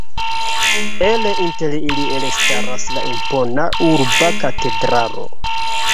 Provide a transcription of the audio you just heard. El inter ili elstaras la impona urba katedralo.